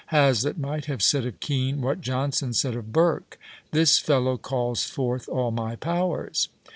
Hazlitt might have said of Kean what Johnson said of Burke: "This fellow calls forth all my powers."